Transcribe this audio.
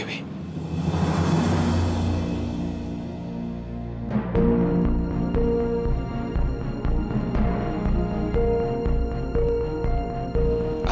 aku bahagia sama dia